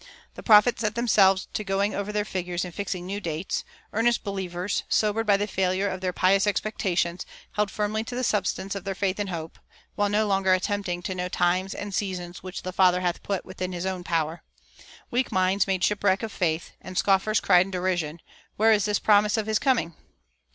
The prophets set themselves to going over their figures and fixing new dates; earnest believers, sobered by the failure of their pious expectations, held firmly to the substance of their faith and hope, while no longer attempting to "know times and seasons, which the Father hath put within his own power"; weak minds made shipwreck of faith; and scoffers cried in derision, "Where is the promise of his coming?"